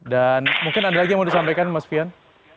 dan mungkin ada lagi yang mau disampaikan mas fian